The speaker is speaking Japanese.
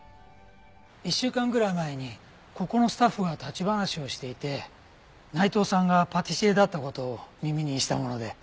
１週間ぐらい前にここのスタッフが立ち話をしていて内藤さんがパティシエだった事を耳にしたもので。